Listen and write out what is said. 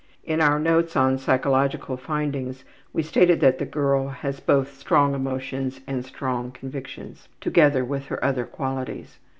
In our notes on psychological findings we stated that the girl has both strong emotions and strong convictions, together with her other qualities.